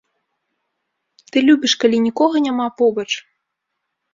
Ты любіш, калі нікога няма побач.